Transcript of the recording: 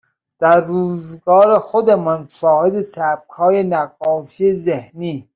در روزگار خودمان شاهد سبکهای نقاشی ذهنی